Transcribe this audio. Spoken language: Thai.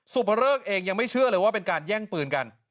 สุภเริกเองยังไม่เชื่อเลยว่าเป็นการแย่งปืนกัน